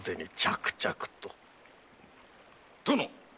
・殿！